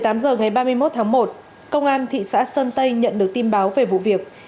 trong một mươi tám h ngày ba mươi một tháng một công an thị xã sơn tây nhận được tin báo về vụ việc